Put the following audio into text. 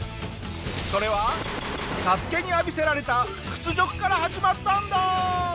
それは『ＳＡＳＵＫＥ』に浴びせられた屈辱から始まったんだ！